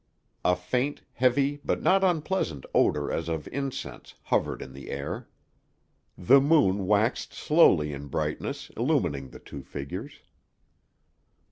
A faint, heavy, but not unpleasant odor as of incense, hovered in the air. The moon waxed slowly in brightness, illumining the two figures.